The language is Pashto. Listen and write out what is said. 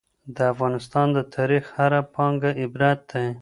د افغانستان د تاریخ هره پاڼه عبرت دی.